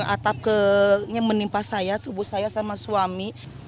atapnya menimpa saya tubuh saya sama suami